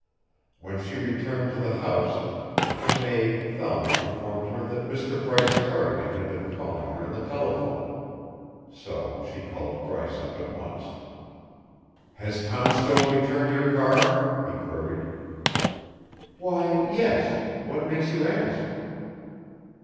When she returned to the house her maid Thelma informed her that Mr. Bryce Cardigan had been calling her on the telephone. So she called Bryce up at once. "Has Poundstone returned your car?" he queried. "Why, yes. What makes you ask?"